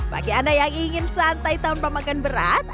bagi anda yang ingin santai tanpa makan berat